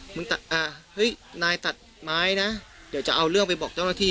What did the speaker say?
เฮ้ยนายตัดไม้นะเดี๋ยวจะเอาเรื่องไปบอกเจ้าหน้าที่